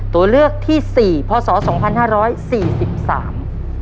ตัวเลือกที่สี่พศสองพันห้าร้อยสี่สิบสาม